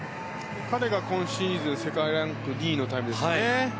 彼が今シーズン世界ランク２位のタイムですね。